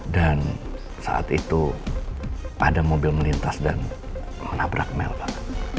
dan saat itu ada mobil melintas dan menabrak mel pak